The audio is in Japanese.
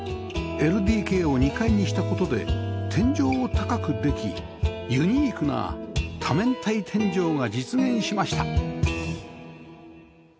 ＬＤＫ を２階にした事で天井を高くできユニークな多面体天井が実現しました